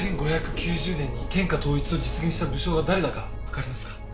１５９０年に天下統一を実現した武将が誰だかわかりますか？